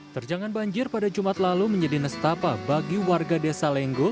terjangan banjir pada jumat lalu menjadi nestapa bagi warga desa lenggo